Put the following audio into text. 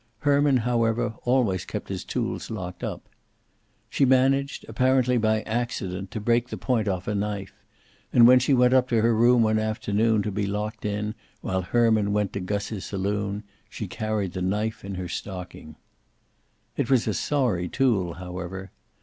Herman, however, always kept his tools locked up. She managed, apparently by accident, to break the point off a knife, and when she went up to her room one afternoon to be locked in while Herman went to Gus's saloon, she carried the knife in her stocking. It was a sorry tool, however.